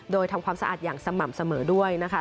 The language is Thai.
โดยทำความสะอาดอย่างสม่ำเสมอด้วยนะคะ